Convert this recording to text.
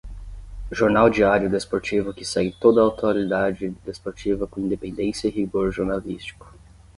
Jornal diário desportivo que segue toda a atualidade desportiva com independência e rigor jornalístico.